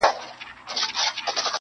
پوليس کور پلټي او سواهد راټولوي ډېر جدي,